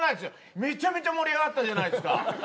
めちゃめちゃ盛り上がったじゃないですか。